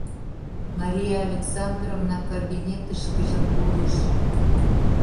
Мария Александровна кабинетышкыже пурыш.